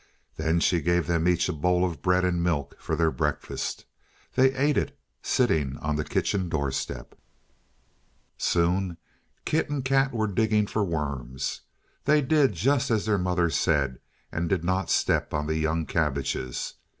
Then she gave them each a bowl of bread and milk for their breakfast. They ate it sitting on the kitchen doorstep. Soon Kit and Kat were digging for worms. They did just as their mother said, and did not step on the young cabbages.